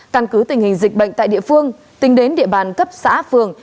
căn cứ tình hình dịch bệnh tại địa phương tính đến địa bàn cấp xã phường